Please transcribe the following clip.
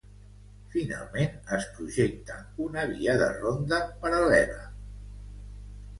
Finalment, es projecta una via de ronda paral·lela al Manzanares.